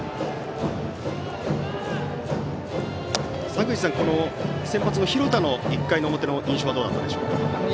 坂口さん、先発の廣田の１回表の印象はどうだったでしょうか？